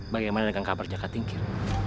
bagaimana dengan kabarnya kak tingkir